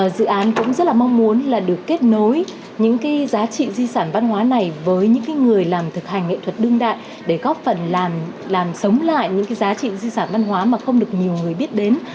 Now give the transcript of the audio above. dự án cũng rất là mong muốn là được kết nối những cái giá trị di sản văn hóa này với những người làm thực hành nghệ thuật đương đại để góp phần làm sống lại những cái giá trị di sản văn hóa mà không được nhiều người biết đến